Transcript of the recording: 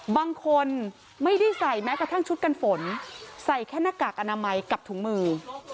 บางคนไม่ได้ใส่แม้กระทั่งชุดกันฝนใส่แค่หน้ากากอนามัยกับถุงมือ